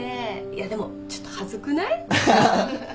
いやでもちょっと恥ずくない？